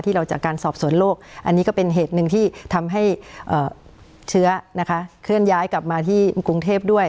เราจากการสอบสวนโรคอันนี้ก็เป็นเหตุหนึ่งที่ทำให้เชื้อนะคะเคลื่อนย้ายกลับมาที่กรุงเทพด้วย